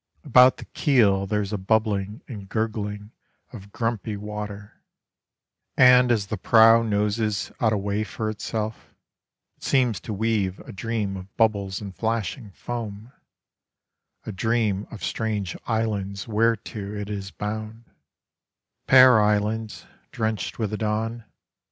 About the keel there is a bubbling and gurgling Of grumpy water; And as the prow noses out a way for itself, It seems to weave a dream of bubbles and flashing foam, A dream of strange islands whereto it is bound: Pear islands drenched with the dawn.